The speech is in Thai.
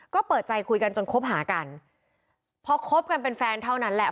ก็เปิดใจคุยกันจนคบหากันพอคบกันเป็นแฟนเท่านั้นแหละ